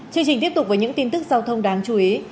chương trình tiếp tục với những tin tức giao thông đáng chú ý